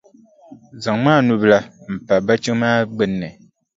Zaŋmi a nubila m-pa bachi maa gbunni.